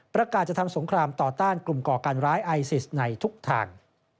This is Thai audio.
ประกาศจะทำสงครามต่อต้านกลุ่มก่อการร้ายไอซิสในทุกทาง